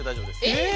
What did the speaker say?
えっ！